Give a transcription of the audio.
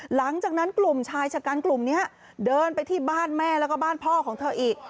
หลังจากนั้นกลุ่มชายชะกันกลุ่มนี้เดินไปที่บ้านแม่แล้วก็บ้านพ่อของเธออีก